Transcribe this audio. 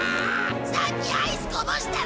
さっきアイスこぼしたろ？